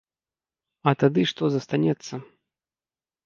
А тады што застаецца?